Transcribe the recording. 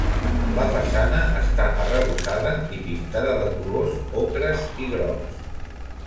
La façana està arrebossada i pintada de colors ocres i grocs.